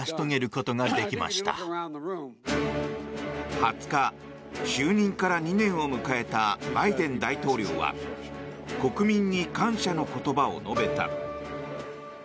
２０日、就任から２年を迎えたバイデン大統領は国民に感謝の言葉を述べた。